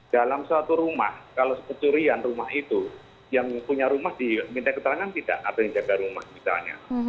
dalam suatu rumah kalau pencurian rumah itu yang punya rumah diminta keterangan tidak ada yang jaga rumah misalnya